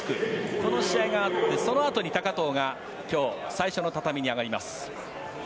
この試合があってそのあとに高藤が最初の畳に上がります。